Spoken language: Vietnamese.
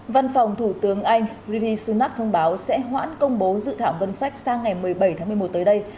văn phòng thủ tướng anh brittany sunak thông báo sẽ hoãn công bố dự thảm vân sách sang ngày một mươi bảy tháng một mươi một tới đây